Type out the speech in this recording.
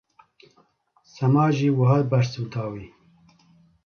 Sema jî wiha bersiv da wî.